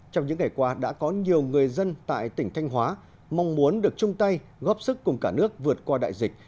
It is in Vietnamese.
trong những ngày qua đã có nhiều người dân tại tỉnh thanh hóa mong muốn được chung tay góp sức cùng cả nước vượt qua đại dịch